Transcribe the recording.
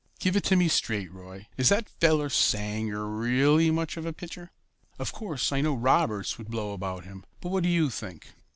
Give it to me straight, Roy, is that fellow Sanger really much of a pitcher? Of course, I know Roberts would blow about him, but what do you think?"